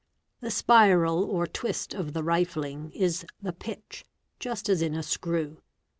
The spiral or twist | of the rifling is the " pitch,' just as in a screw.